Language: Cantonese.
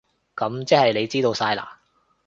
噉即係你知道晒喇？